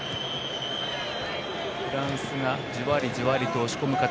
フランスがじわりじわりと押し込む形。